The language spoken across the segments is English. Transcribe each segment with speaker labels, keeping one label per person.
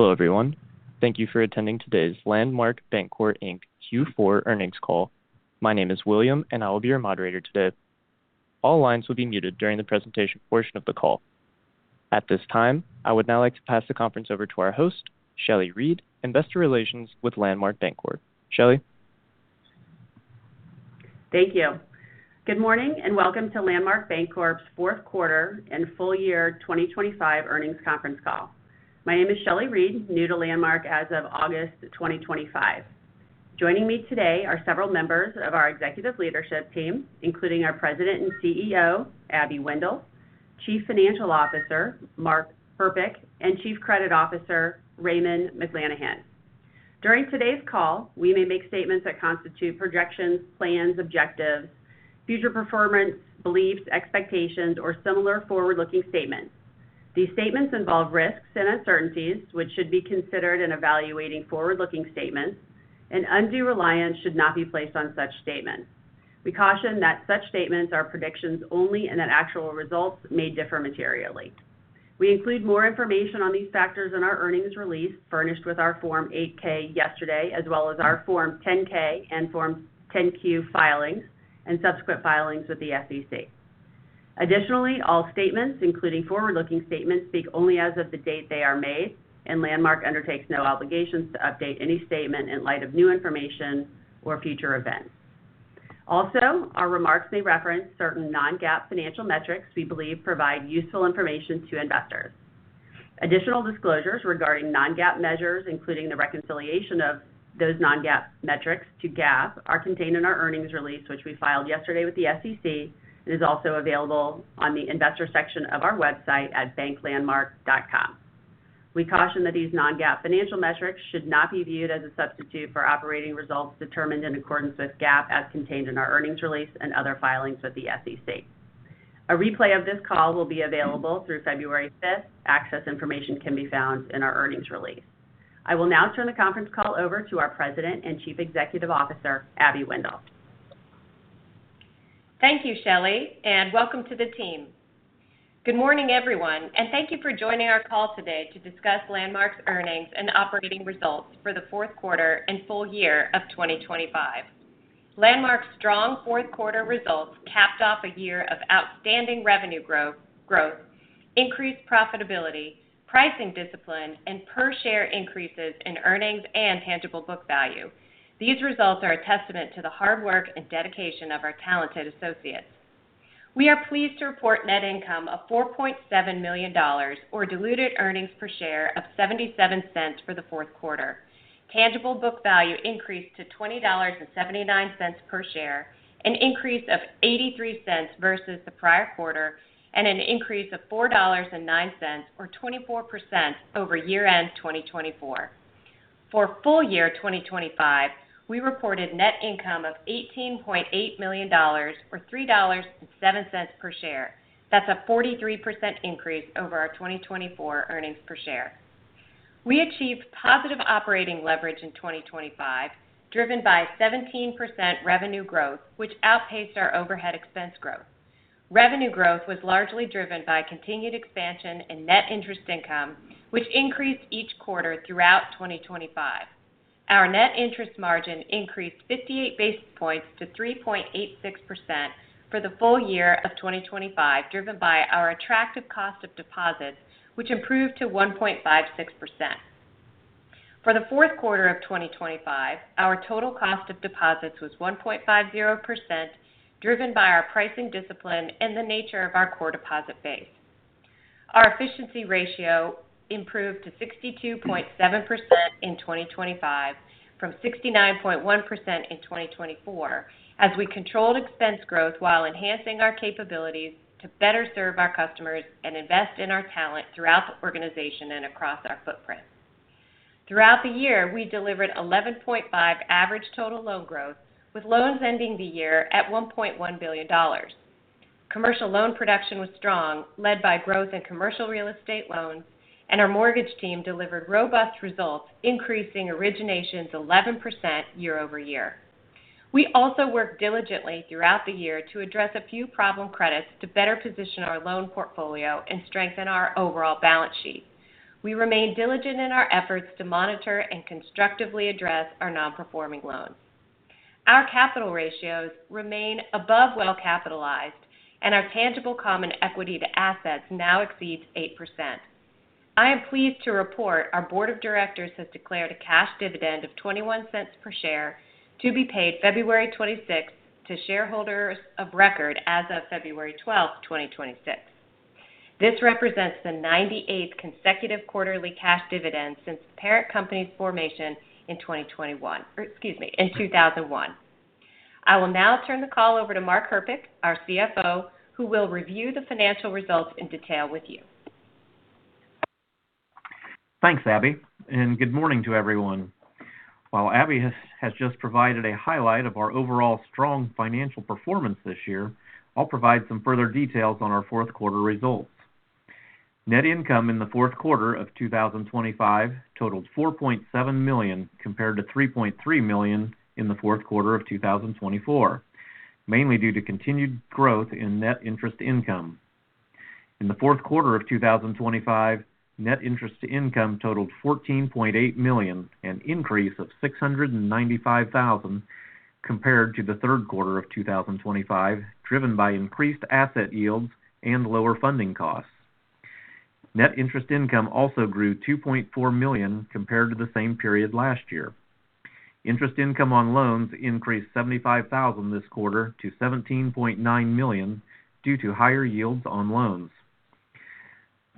Speaker 1: Hello, everyone. Thank you for attending today's Landmark Bancorp, Inc. Q4 earnings call. My name is William, and I will be your moderator today. All lines will be muted during the presentation portion of the call. At this time, I would now like to pass the conference over to our host, Shelley Reed, Investor Relations with Landmark Bancorp. Shelley?
Speaker 2: Thank you. Good morning, and welcome to Landmark Bancorp's fourth quarter and full year 2025 earnings conference call. My name is Shelley Reed, new to Landmark as of August 2025. Joining me today are several members of our executive leadership team, including our President and CEO, Abby Wendel; Chief Financial Officer, Mark Herpich; and Chief Credit Officer, Raymond McLanahan. During today's call, we may make statements that constitute projections, plans, objectives, future performance, beliefs, expectations, or similar forward-looking statements. These statements involve risks and uncertainties, which should be considered in evaluating forward-looking statements, and undue reliance should not be placed on such statements. We caution that such statements are predictions only and that actual results may differ materially. We include more information on these factors in our earnings release, furnished with our Form 8-K yesterday, as well as our Form 10-K and Form 10-Q filings and subsequent filings with the SEC. Additionally, all statements, including forward-looking statements, speak only as of the date they are made, and Landmark undertakes no obligations to update any statement in light of new information or future events. Also, our remarks may reference certain non-GAAP financial metrics we believe provide useful information to investors. Additional disclosures regarding non-GAAP measures, including the reconciliation of those non-GAAP metrics to GAAP, are contained in our earnings release, which we filed yesterday with the SEC, and is also available on the investor section of our website at banklandmark.com. We caution that these non-GAAP financial metrics should not be viewed as a substitute for operating results determined in accordance with GAAP as contained in our earnings release and other filings with the SEC. A replay of this call will be available through February 5. Access information can be found in our earnings release. I will now turn the conference call over to our President and Chief Executive Officer, Abby Wendel.
Speaker 3: Thank you, Shelley, and welcome to the team. Good morning, everyone, and thank you for joining our call today to discuss Landmark's earnings and operating results for the fourth quarter and full year of 2025. Landmark's strong fourth quarter results capped off a year of outstanding revenue growth, increased profitability, pricing discipline, and per share increases in earnings and tangible book value. These results are a testament to the hard work and dedication of our talented associates. We are pleased to report net income of $4.7 million or diluted earnings per share of $0.77 for the fourth quarter. Tangible book value increased to $20.79 per share, an increase of $0.83 versus the prior quarter, and an increase of $4.09 or 24% over year-end 2024. For full year 2025, we reported net income of $18.8 million or $3.07 per share. That's a 43% increase over our 2024 earnings per share. We achieved positive operating leverage in 2025, driven by 17% revenue growth, which outpaced our overhead expense growth. Revenue growth was largely driven by continued expansion in net interest income, which increased each quarter throughout 2025. Our net interest margin increased 58 basis points to 3.86% for the full year of 2025, driven by our attractive cost of deposits, which improved to 1.56%. For the fourth quarter of 2025, our total cost of deposits was 1.50%, driven by our pricing discipline and the nature of our core deposit base. Our efficiency ratio improved to 62.7% in 2025 from 69.1% in 2024, as we controlled expense growth while enhancing our capabilities to better serve our customers and invest in our talent throughout the organization and across our footprint. Throughout the year, we delivered 11.5% average total loan growth, with loans ending the year at $1.1 billion. Commercial loan production was strong, led by growth in commercial real estate loans, and our mortgage team delivered robust results, increasing originations 11% year-over-year. We also worked diligently throughout the year to address a few problem credits to better position our loan portfolio and strengthen our overall balance sheet. We remain diligent in our efforts to monitor and constructively address our non-performing loans. Our capital ratios remain above well-capitalized, and our tangible common equity to assets now exceeds 8%. I am pleased to report our board of directors has declared a cash dividend of $0.21 per share to be paid February 26 to shareholders of record as of February 12, 2026. This represents the 98th consecutive quarterly cash dividend since the parent company's formation in 2021, or excuse me, in 2001. I will now turn the call over to Mark Herpich, our CFO, who will review the financial results in detail with you.
Speaker 4: Thanks, Abby, and good morning to everyone. While Abby has just provided a highlight of our overall strong financial performance this year, I'll provide some further details on our fourth quarter results. Net income in the fourth quarter of 2025 totaled $4.7 million, compared to $3.3 million in the fourth quarter of 2024.... mainly due to continued growth in net interest income. In the fourth quarter of 2025, net interest income totaled $14.8 million, an increase of $695,000 compared to the third quarter of 2025, driven by increased asset yields and lower funding costs. Net interest income also grew $2.4 million compared to the same period last year. Interest income on loans increased $75,000 this quarter to $17.9 million due to higher yields on loans.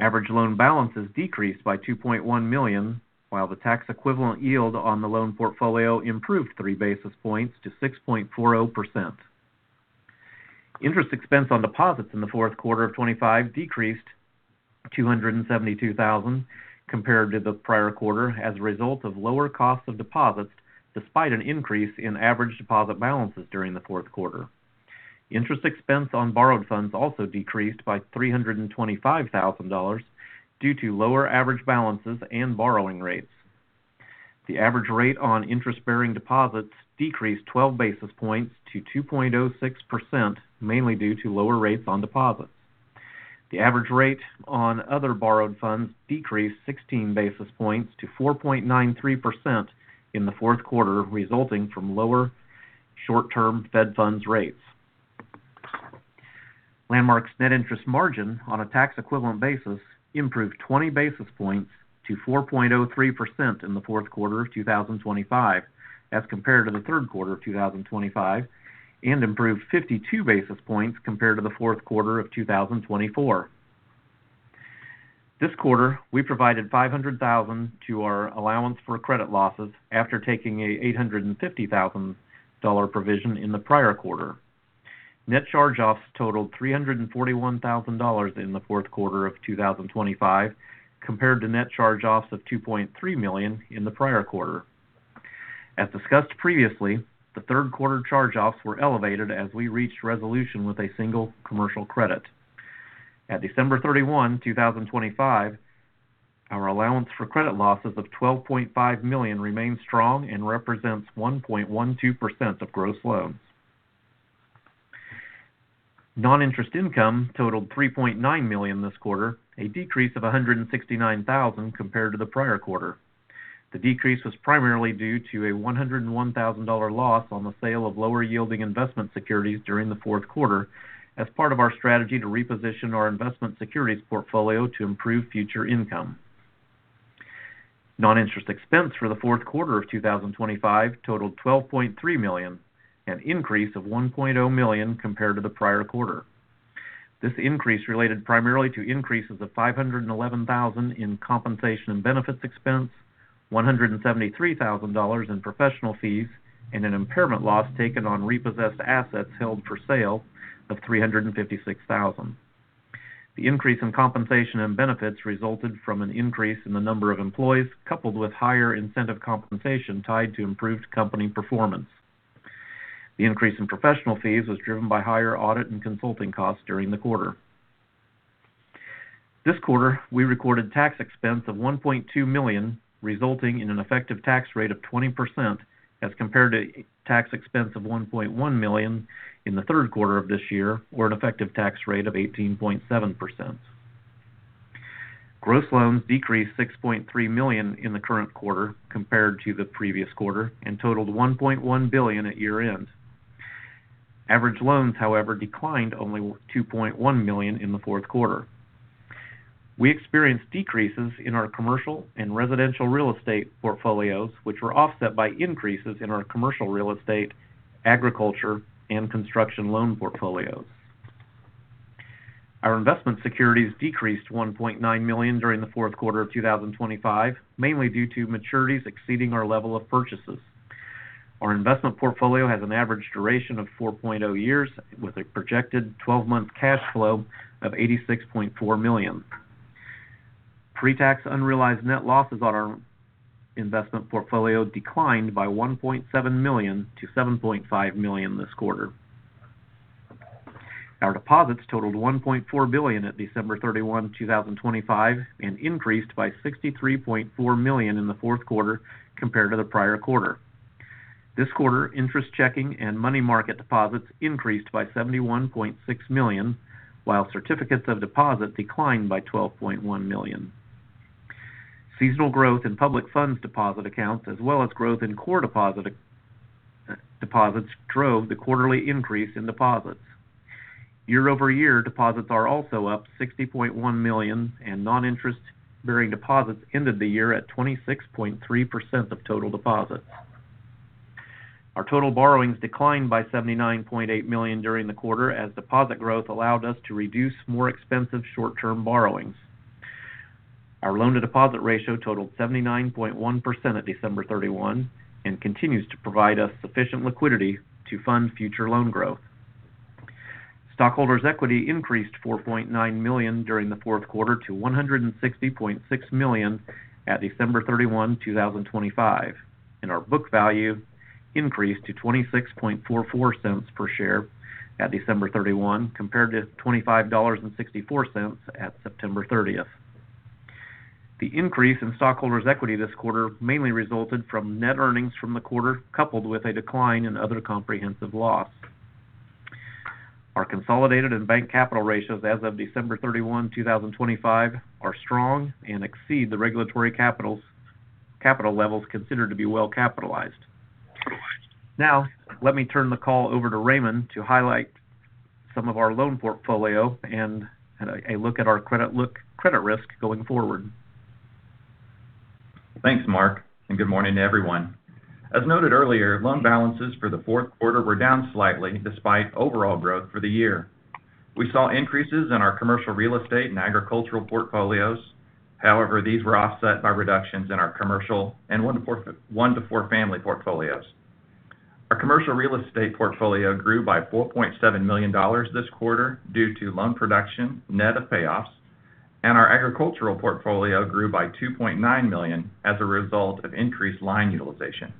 Speaker 4: Average loan balances decreased by $2.1 million, while the tax equivalent yield on the loan portfolio improved 3 basis points to 6.40%. Interest expense on deposits in the fourth quarter of 2025 decreased $272,000 compared to the prior quarter as a result of lower costs of deposits, despite an increase in average deposit balances during the fourth quarter. Interest expense on borrowed funds also decreased by $325,000 due to lower average balances and borrowing rates. The average rate on interest-bearing deposits decreased 12 basis points to 2.06%, mainly due to lower rates on deposits. The average rate on other borrowed funds decreased 16 basis points to 4.93% in the fourth quarter, resulting from lower short-term Fed funds rates. Landmark's net interest margin on a tax equivalent basis improved 20 basis points to 4.03% in the fourth quarter of 2025 as compared to the third quarter of 2025, and improved 52 basis points compared to the fourth quarter of 2024. This quarter, we provided $500,000 to our allowance for credit losses after taking an $850,000 provision in the prior quarter. Net charge-offs totaled $341,000 in the fourth quarter of 2025, compared to net charge-offs of $2.3 million in the prior quarter. As discussed previously, the third quarter charge-offs were elevated as we reached resolution with a single commercial credit. At December 31, 2025, our allowance for credit losses of $12.5 million remains strong and represents 1.12% of gross loans. Non-interest income totaled $3.9 million this quarter, a decrease of $169,000 compared to the prior quarter. The decrease was primarily due to a $101,000 loss on the sale of lower-yielding investment securities during the fourth quarter as part of our strategy to reposition our investment securities portfolio to improve future income. Non-interest expense for the fourth quarter of 2025 totaled $12.3 million, an increase of $1.0 million compared to the prior quarter. This increase related primarily to increases of $511,000 in compensation and benefits expense, $173,000 in professional fees, and an impairment loss taken on repossessed assets held for sale of $356,000. The increase in compensation and benefits resulted from an increase in the number of employees, coupled with higher incentive compensation tied to improved company performance. The increase in professional fees was driven by higher audit and consulting costs during the quarter. This quarter, we recorded tax expense of $1.2 million, resulting in an effective tax rate of 20%, as compared to tax expense of $1.1 million in the third quarter of this year, or an effective tax rate of 18.7%. Gross loans decreased $6.3 million in the current quarter compared to the previous quarter and totaled $1.1 billion at year-end. Average loans, however, declined only $2.1 million in the fourth quarter. We experienced decreases in our commercial and residential real estate portfolios, which were offset by increases in our commercial real estate, agriculture, and construction loan portfolios. Our investment securities decreased $1.9 million during the fourth quarter of 2025, mainly due to maturities exceeding our level of purchases. Our investment portfolio has an average duration of 4.0 years, with a projected twelve-month cash flow of $86.4 million. Pre-tax unrealized net losses on our investment portfolio declined by $1.7 million to $7.5 million this quarter. Our deposits totaled $1.4 billion at December 31, 2025, and increased by $63.4 million in the fourth quarter compared to the prior quarter. This quarter, interest checking and money market deposits increased by $71.6 million, while certificates of deposit declined by $12.1 million. Seasonal growth in public funds deposit accounts, as well as growth in core deposit, deposits, drove the quarterly increase in deposits. Year-over-year deposits are also up $60.1 million, and non-interest-bearing deposits ended the year at 26.3% of total deposits. Our total borrowings declined by $79.8 million during the quarter, as deposit growth allowed us to reduce more expensive short-term borrowings. Our loan-to-deposit ratio totaled 79.1% at December 31 and continues to provide us sufficient liquidity to fund future loan growth. Stockholders' equity increased $4.9 million during the fourth quarter to $160.6 million at December 31, 2025, and our book value increased to $26.44 per share at December 31, compared to $25.64 at September 30. ...The increase in stockholders' equity this quarter mainly resulted from net earnings from the quarter, coupled with a decline in other comprehensive loss. Our consolidated and bank capital ratios as of December 31, 2025, are strong and exceed the regulatory capital levels considered to be well capitalized. Now, let me turn the call over to Raymond to highlight some of our loan portfolio and a look at our credit risk going forward.
Speaker 5: Thanks, Mark, and good morning to everyone. As noted earlier, loan balances for the fourth quarter were down slightly despite overall growth for the year. We saw increases in our commercial real estate and agricultural portfolios. However, these were offset by reductions in our commercial and 1-4 family portfolios. Our commercial real estate portfolio grew by $4.7 million this quarter due to loan production net of payoffs, and our agricultural portfolio grew by $2.9 million as a result of increased line utilization.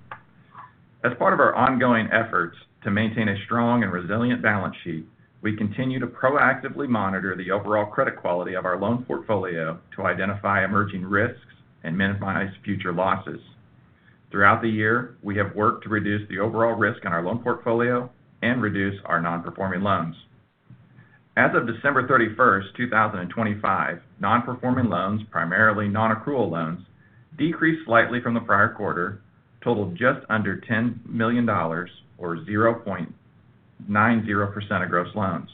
Speaker 5: As part of our ongoing efforts to maintain a strong and resilient balance sheet, we continue to proactively monitor the overall credit quality of our loan portfolio to identify emerging risks and minimize future losses. Throughout the year, we have worked to reduce the overall risk in our loan portfolio and reduce our non-performing loans. As of December 31, 2025, non-performing loans, primarily non-accrual loans, decreased slightly from the prior quarter, totaled just under $10 million or 0.90% of gross loans.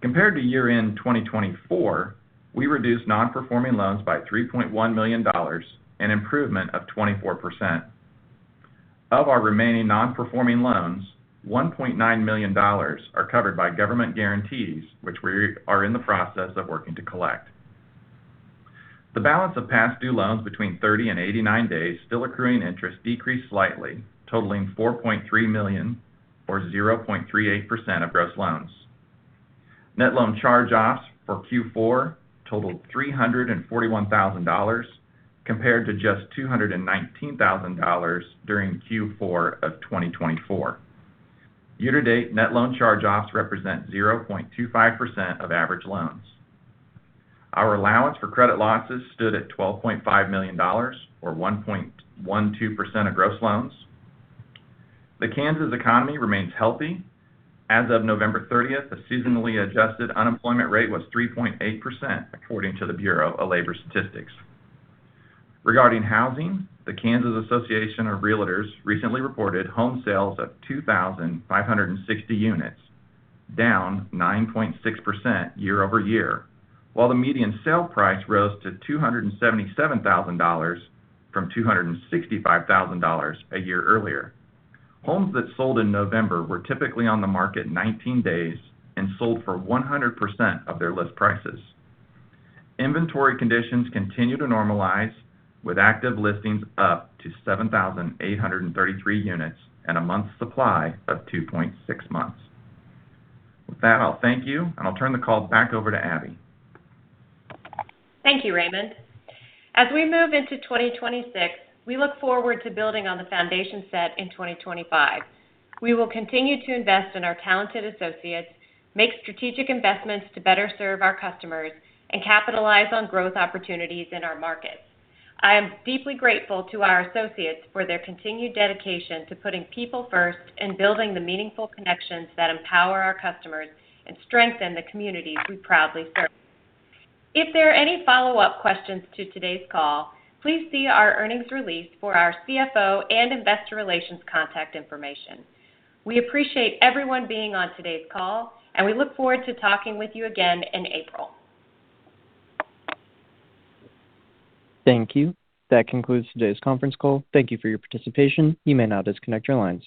Speaker 5: Compared to year-end 2024, we reduced non-performing loans by $3.1 million, an improvement of 24%. Of our remaining non-performing loans, $1.9 million are covered by government guarantees, which we are in the process of working to collect. The balance of past due loans between 30 and 89 days, still accruing interest, decreased slightly, totaling $4.3 million, or 0.38% of gross loans. Net loan charge-offs for Q4 totaled $341,000, compared to just $219,000 during Q4 of 2024. Year-to-date, net loan charge-offs represent 0.25% of average loans. Our allowance for credit losses stood at $12.5 million, or 1.12% of gross loans. The Kansas economy remains healthy. As of November 30, the seasonally adjusted unemployment rate was 3.8%, according to the Bureau of Labor Statistics. Regarding housing, the Kansas Association of Realtors recently reported home sales of 2,560 units, down 9.6% year-over-year, while the median sale price rose to $277,000 from $265,000 a year earlier. Homes that sold in November were typically on the market 19 days and sold for 100% of their list prices. Inventory conditions continue to normalize, with active listings up to 7,833 units and a month's supply of 2.6 months. With that, I'll thank you, and I'll turn the call back over to Abby.
Speaker 3: Thank you, Raymond. As we move into 2026, we look forward to building on the foundation set in 2025. We will continue to invest in our talented associates, make strategic investments to better serve our customers, and capitalize on growth opportunities in our markets. I am deeply grateful to our associates for their continued dedication to putting people first and building the meaningful connections that empower our customers and strengthen the communities we proudly serve. If there are any follow-up questions to today's call, please see our earnings release for our CFO and investor relations contact information. We appreciate everyone being on today's call, and we look forward to talking with you again in April.
Speaker 1: Thank you. That concludes today's conference call. Thank you for your participation. You may now disconnect your lines.